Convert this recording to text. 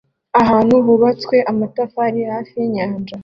Ahantu hubatswe amatafari hafi yinyanja